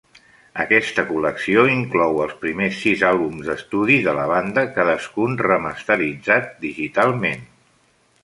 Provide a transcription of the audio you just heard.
Aquesta col·lecció inclou els primers sis àlbums d'estudi de la banda, cadascun remasteritzat digitalment.